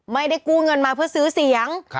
ไม่ได้กู้เงินมาเพื่อซื้อเสียง